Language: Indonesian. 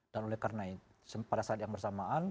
dan oleh karena pada saat yang bersamaan